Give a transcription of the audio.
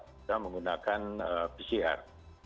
kita menggunakan pcr